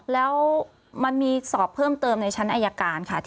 แล้วมันมีสอบเพิ่มเติมในชั้นอายการค่ะ